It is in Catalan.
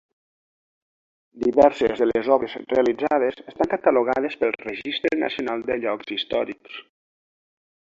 Diverses de les obres realitzades estan catalogades pel Registre Nacional de Llocs Històrics.